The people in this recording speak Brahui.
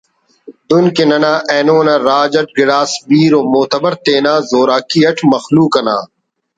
دن کہ ننا اینو نا راج اٹ گڑاس میر ومعتبر تینا زوراکی اٹ مخلوق نا